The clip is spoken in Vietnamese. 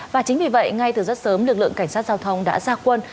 và chính vì vậy ngay từ rất sớm lực lượng cảnh sát giao thông đã ra quân